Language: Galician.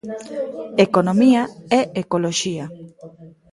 Economía é ecoloxía.